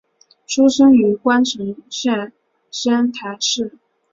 出身于宫城县仙台市。